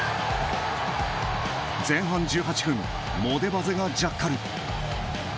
前半１８分モデバゼがジャッカル。